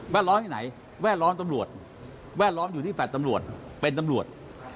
ล้อมที่ไหนแวดล้อมตำรวจแวดล้อมอยู่ที่แฟลต์ตำรวจเป็นตำรวจ